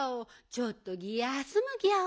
ちょっとギャすむギャオ。